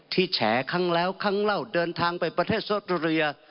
ที่แฉข้างแล้วขั้งเร่าเดินทางไปประเทศอสเตอเรีย